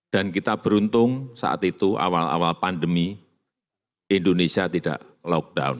dan kita beruntung saat itu awal awal pandemi indonesia tidak lockdown